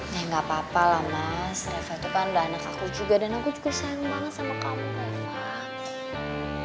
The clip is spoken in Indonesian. ya nggak apa apa lah mas reza itu kan udah anak aku juga dan aku juga senang banget sama kamu